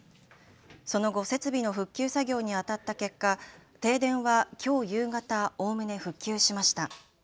その後、設備の復旧作業にあたった結果、停電はきょう夕方、おおむね復旧しました。